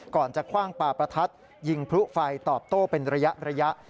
ก่อนจะคว่างปลาประทัดยิงพลุไฟตอบโต้เป็นระยะ